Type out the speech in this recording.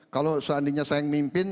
kalau seandainya saya yang mimpin